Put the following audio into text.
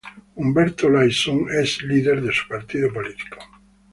Humberto Lay Sun es líder de su partido político.